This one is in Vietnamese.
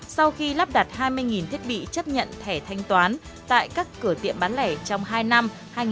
sau khi lắp đặt hai mươi thiết bị chấp nhận thẻ thanh toán tại các cửa tiệm bán lẻ trong hai năm hai nghìn một mươi hai nghìn hai mươi